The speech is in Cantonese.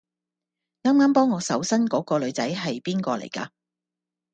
啱啱幫我搜身嗰個女仔係邊個嚟㗎？